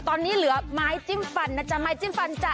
ตอนนี้เหลือไม้จิ้มฟันนะจ๊ะไม้จิ้มฟันจ้ะ